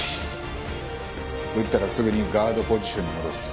打ったらすぐにガードポジションに戻す。